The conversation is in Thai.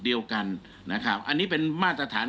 เดียวกันนะครับอันนี้เป็นมาตรฐาน